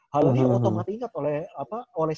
hal ini yang otomatis ingat oleh